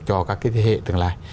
cho các cái thế hệ tương lai